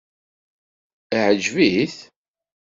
Iɛǧeb-it?